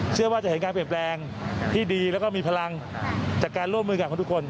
จะเห็นการเปลี่ยนแปลงที่ดีแล้วก็มีพลังจากการร่วมมือกันของทุกคน